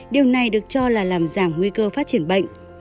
điều này được cho là làm giảm nguy cơ phát triển bệnh